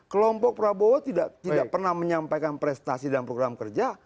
kelompok prabowo tidak pernah menyampaikan prestasi dan program kerja